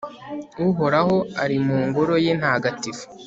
uhoraho ari mu ngoro ye ntagatifu